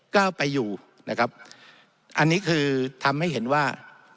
ก้าวไปอยู่นะครับอันนี้คือทำให้เห็นว่า